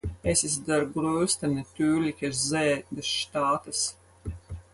Es ist der größte natürliche See des Staates.